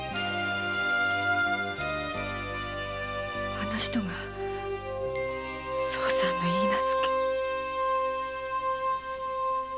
あの人が惣さんの許婚。